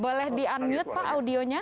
boleh di unmute pak audionya